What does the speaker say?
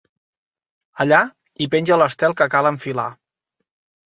Allà hi penja l'estel que cal enfilar.